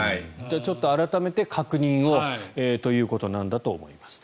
改めて確認をということなんだと思います。